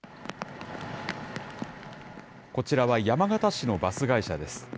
こちらは山形市のバス会社です。